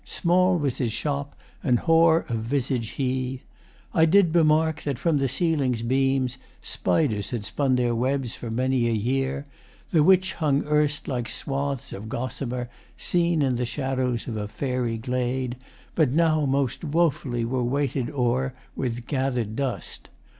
Small was his shop, and hoar of visage he. I did bemark that from the ceiling's beams Spiders had spun their webs for many a year, The which hung erst like swathes of gossamer Seen in the shadows of a fairy glade, But now most woefully were weighted o'er With gather'd dust.